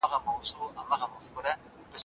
سړی پوه سو چي له سپي ورکه سوه لاره